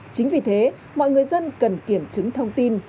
chính vì thế mọi người dân cần kiểm chứng thông tin